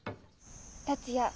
達也